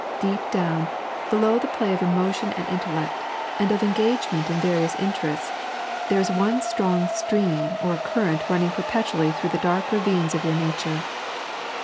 Deep down, below the ploy of emotion and intellect, and of engagement in various interests, there is one strong stream or current running perpetually through the dark ravines of your nature.